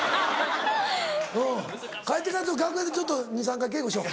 うん帰ってから楽屋でちょっと２３回稽古しよう。